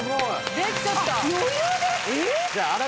できちゃったから。